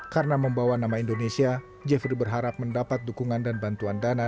karena membawa nama indonesia jeffrey berharap mendapat dukungan dan bantuan dana